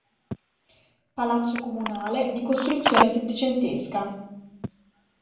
Palazzo comunale, di costruzione settecentesca.